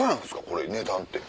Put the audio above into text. これ値段って。